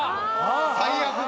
最悪だ！